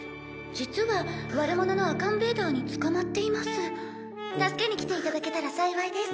「実は悪者のアカンベーダーに捕まっています」「助けに来ていただけたら幸いです。